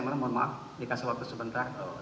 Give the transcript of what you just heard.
mohon maaf dikasih waktu sebentar